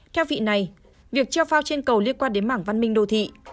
theo vị này việc treo phao trên cầu liên quan đến mảng văn minh đô thị